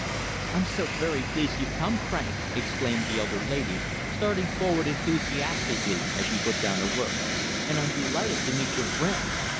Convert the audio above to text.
"I'm so very pleased you've come, Frank," exclaimed the elder lady, starting forward enthusiastically as she put down her work, "and I'm delighted to meet your friend.